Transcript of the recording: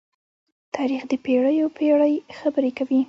تاریخ د پېړيو پېړۍ خبرې کوي.